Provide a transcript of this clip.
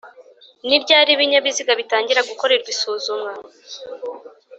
ni ryari Ibinyabiziga bitangira gukorerwa isuzumwa